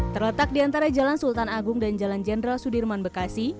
terletak di antara jalan sultan agung dan jalan jenderal sudirman bekasi